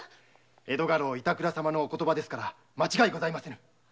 江戸家老・板倉様のお言葉ですから間違いございません。